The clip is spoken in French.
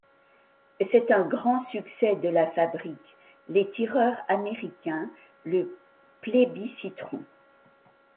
C'est un grand succès de la fabrique, les tireurs américain le plébisciteront.